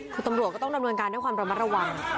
คือตำรวจก็ต้องดำนวณการได้อย่างรวมปลอดภัยระว่าง